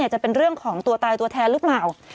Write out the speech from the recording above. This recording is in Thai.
จะเป็นเรื่องของตัวตายตัวแทนหรือเปล่า